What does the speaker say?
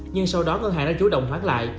nhưng sau đó ngân hàng đã chủ động hoán lại